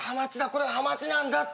これはハマチなんだって。